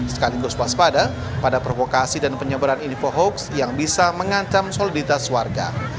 sekaligus waspada pada provokasi dan penyebaran info hoax yang bisa mengancam soliditas warga